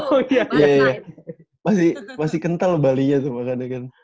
oh iya iya masih kental balinya tuh makanya kan